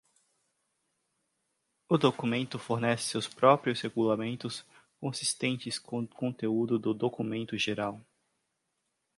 O documento fornece seus próprios regulamentos, consistentes com o conteúdo do documento geral.